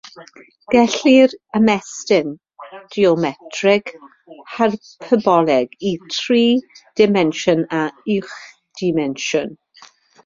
Gellir ymestyn geometreg hyperbolig i dri dimensiwn ac uwch ddimensiwn.